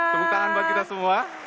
tepuk tangan bagi kita semua